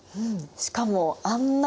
しかもあんな